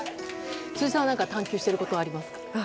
辻さんは何か探求していることはありますか？